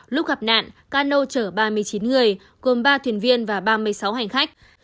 lúc gặp nạn cano chở ba mươi chín người gồm ba thuyền viên và ba mươi sáu hành khách